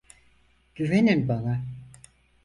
Güvenin bana.